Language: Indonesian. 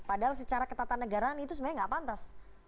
padahal secara ketatanegaraan itu sebenarnya nggak pantas